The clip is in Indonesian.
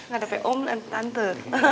gak dapet om nanti tante